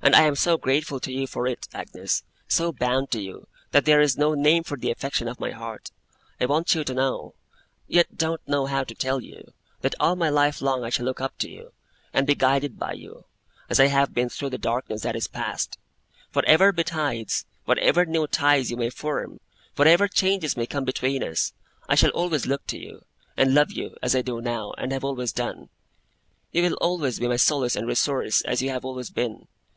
'And I am so grateful to you for it, Agnes, so bound to you, that there is no name for the affection of my heart. I want you to know, yet don't know how to tell you, that all my life long I shall look up to you, and be guided by you, as I have been through the darkness that is past. Whatever betides, whatever new ties you may form, whatever changes may come between us, I shall always look to you, and love you, as I do now, and have always done. You will always be my solace and resource, as you have always been.